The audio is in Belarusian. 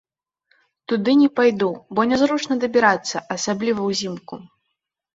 Туды не пайду, бо нязручна дабірацца, асабліва ўзімку.